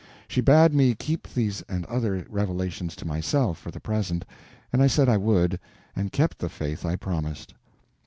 She bade me keep these and the other revelations to myself for the present, and I said I would, and kept the faith I promised.